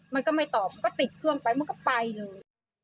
มันก็ไม่ตอบก็ติดเครื่องไปมันก็ไปเลย